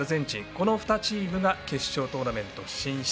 この２チームが決勝トーナメント進出。